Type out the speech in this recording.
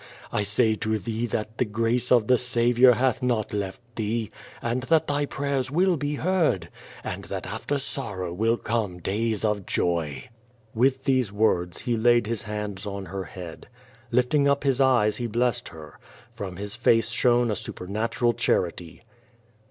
I say to thee that the grace of the Saviour hath not left thee, and that thy prayers will be heard, and that after sorrow will come days of joy." With these words he laid his hands on her head. Lifting up his eyes he blessed her. From his face shone a su{>ernatu ral charity.